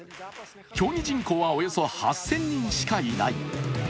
競技人口はおよそ８０００人しかいない。